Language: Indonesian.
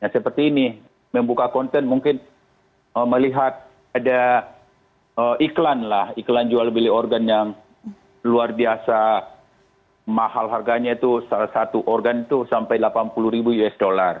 seperti ini membuka konten mungkin melihat ada iklan lah iklan jual beli organ yang luar biasa mahal harganya itu salah satu organ itu sampai delapan puluh ribu usd